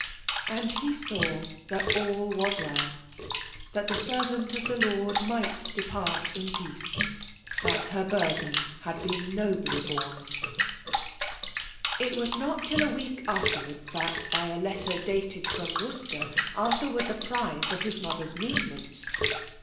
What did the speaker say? And he saw that all was well — ^that the ser* vant of the Lord might depart in peace — ^that her burthen had been nobly borne. It was not till a week afterwards that, by a letter dated from Worcester, Arthur was apprized of his mother's movements.